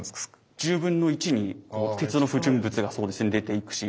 １０分の１に鉄の不純物が出ていくし